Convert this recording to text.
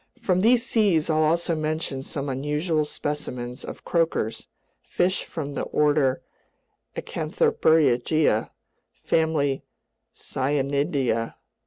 From these seas I'll also mention some unusual specimens of croakers, fish from the order Acanthopterygia, family Scienidea.